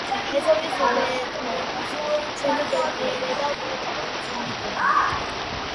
„მეზობლის უბედურებაზე ჩვენი ბედნიერება ვერ დაფუძნდება.“